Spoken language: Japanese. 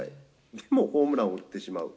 でもホームランを打ってしまう。